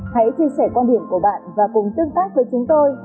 hãy chia sẻ quan điểm của bạn và cùng tương tác với chúng tôi